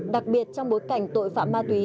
đặc biệt trong bối cảnh tội phạm ma túy